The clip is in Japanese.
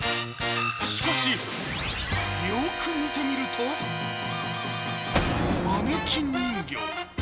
しかし、よく見てみるとマネキン人形。